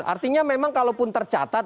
artinya memang kalau pun tercatat